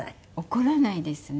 怒らないですね。